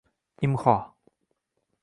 I M X O